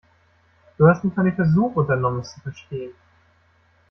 Du hast nicht mal den Versuch unternommen, es zu verstehen.